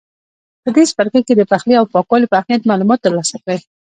په دې څپرکي کې د پخلي او پاکوالي په اهمیت معلومات ترلاسه کړئ.